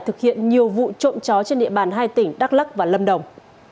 thực hiện nhiều vụ trộm chó trên địa bàn hai tỉnh đắk lắc và lâm đồng